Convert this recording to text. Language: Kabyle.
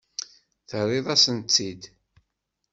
Terriḍ-asent-tt-id?